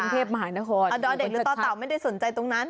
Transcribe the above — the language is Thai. ค่ะดเด็กตตาวไม่ได้สนใจตรงนั้น